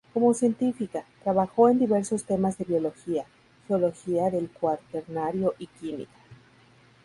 Como científica, trabajó en diversos temas de biología, geología del Cuaternario y Química.